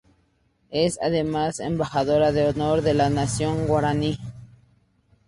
Es además Embajadora de Honor de la Nación Guaraní.